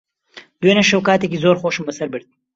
دوێنێ شەو کاتێکی زۆر خۆشم بەسەر برد.